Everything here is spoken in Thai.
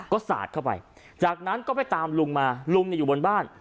ก็สาดเข้าไปจากนั้นก็ไปตามลุงมาลุงอยู่บนบ้าน